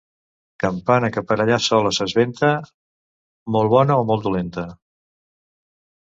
Campana que per ella sola s'esventa, molt bona o molt dolenta.